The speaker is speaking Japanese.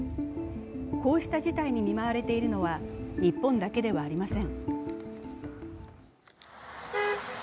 こうした事態に見舞われているのは日本だけではありません。